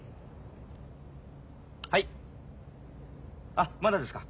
あっまだですか。